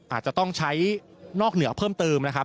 อาจจะต้องใช้นอกเหนือเพิ่มเติมนะครับ